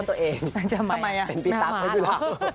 นึกว่าตัวเองเป็นพี่ตาของพี่หลัก